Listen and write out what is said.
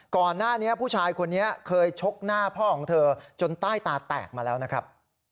ก่อนหน้านี้ผู้ชายคนนี้เคยชกหน้าพ่อของเธอจนใต้ตาแตกมาแล้วนะครับ